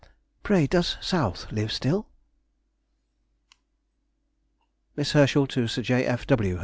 Pray, does South live still? MISS HERSCHEL TO SIR J. F. W.